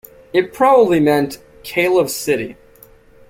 It probably meant "Kalev city".